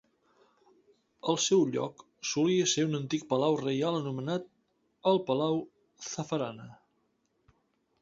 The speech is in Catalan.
El seu lloc solia ser un antic palau reial anomenat el palau Zafarana.